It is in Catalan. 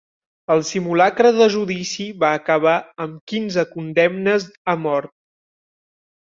El simulacre de judici va acabar amb quinze condemnes a mort.